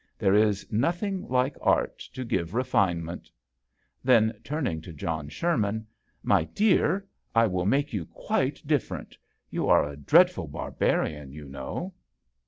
There is nothing like art to give refine ment." Then turning to John Sherman " My dear, I will make you quite different. You are a dreadful barbarian, you know."